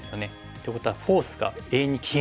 ってことはフォースが永遠に消えない。